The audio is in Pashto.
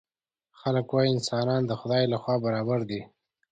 خلک وايي انسانان د خدای له خوا برابر دي.